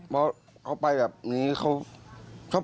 สงสัยยังไงเปล่า